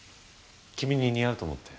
君に似合うと思って。